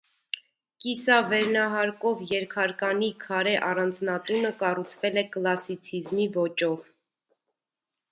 Կիսավերնահարկով երկհարկանի քարե առանձնատունը կառուցվել է կլասիցիզմի ոճով։